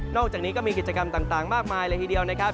อกจากนี้ก็มีกิจกรรมต่างมากมายเลยทีเดียวนะครับ